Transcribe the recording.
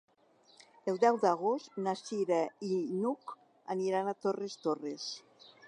El deu d'agost na Cira i n'Hug aniran a Torres Torres.